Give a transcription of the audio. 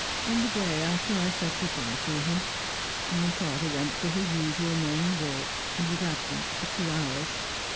On the day after I said good bye to him, my father went for his usual morning walk, and was absent for two hours.